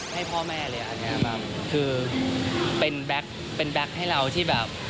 ให้พ่อแม่เลยอะแง้มคือเป็นแบ็คให้เราที่แบบ